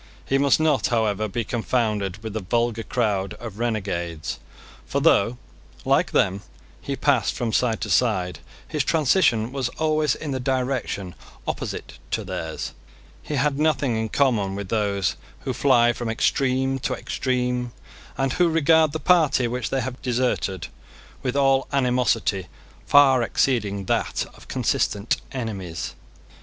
He must not, however, be confounded with the vulgar crowd of renegades. For though, like them, he passed from side to side, his transition was always in the direction opposite to theirs. He had nothing in common with those who fly from extreme to extreme, and who regard the party which they have deserted with all animosity far exceeding that of consistent enemies.